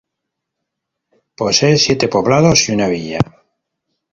Posee siete poblados y una villa.